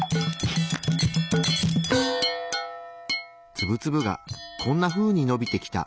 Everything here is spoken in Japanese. ツブツブがこんなふうにのびてきた。